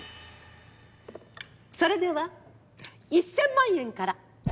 それでは１，０００万円から。